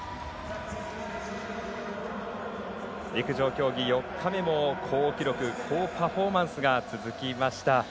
陸上競技４日目も好記録好パフォーマンスが続きました。